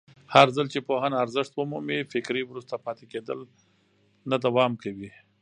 هرځل چې پوهنه ارزښت ومومي، فکري وروسته پاتې کېدل نه دوام کوي.